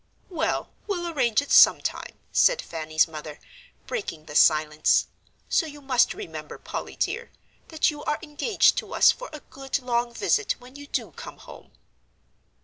"Well, we'll arrange it sometime," said Fanny's mother, breaking the silence; "so you must remember, Polly dear, that you are engaged to us for a good long visit when you do come home."